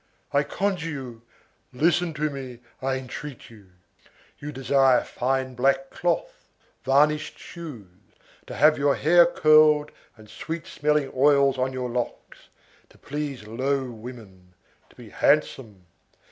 I conjure you, listen to me, I entreat you. You desire fine black cloth, varnished shoes, to have your hair curled and sweet smelling oils on your locks, to please low women, to be handsome.